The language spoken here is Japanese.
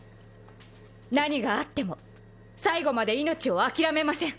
何があっても最後まで命を諦めません。